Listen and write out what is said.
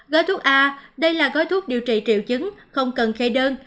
gói thuốc a đây là gói thuốc điều trị triệu chứng không cần khe đơn